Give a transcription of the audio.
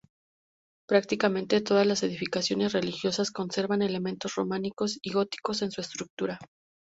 Prácticamente todas las edificaciones religiosas conservan elementos románicos y góticos en su estructura.